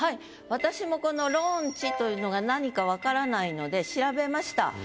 私もこの「ローンチ」というのが何か分からないので調べました。